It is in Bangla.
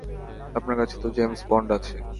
আপনার কাছে তো জেমস বন্ড আছে!